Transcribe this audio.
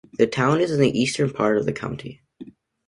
The town is in the eastern part of the county.